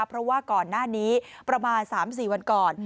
เพราะว่าก่อนหน้านี้ประมาณ๓๔วันก่อน